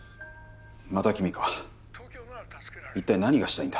また君か一体何がしたいんだ？